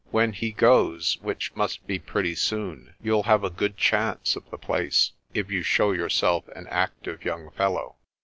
When he goes, which must be pretty soon, you'll have a good chance of the place, if you show yourself an active young fellow."